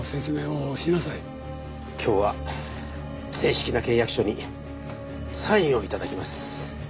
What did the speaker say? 今日は正式な契約書にサインを頂きます。